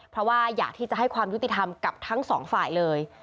เพราะว่าอยากที่จะให้ความยุติธรรมกับทั้งสองฝ่ายเลย